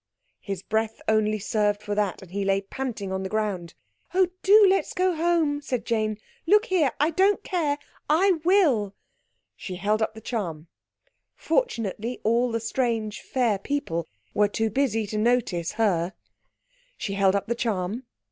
His breath only served for that, and he lay panting on the ground. "Oh, do let's go home!" said Jane. "Look here—I don't care—I will!" She held up the charm. Fortunately all the strange, fair people were too busy to notice her. She held up the charm.